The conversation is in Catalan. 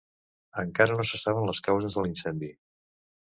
Encara no se saben les causes de l’incendi.